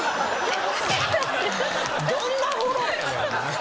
どんなフォローやねん。